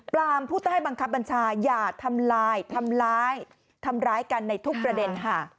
ปลามผู้ใต้บังคับบัญชาอย่าทำร้ายทำร้ายกันในทุกประเด็น